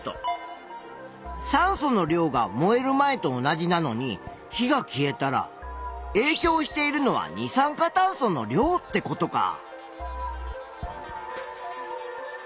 酸素の量が燃える前と同じなのに火が消えたらえいきょうしているのは二酸化炭素の量ってことか。